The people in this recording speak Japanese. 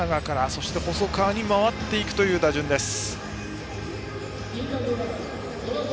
そして細川成也に回っていくという打順です。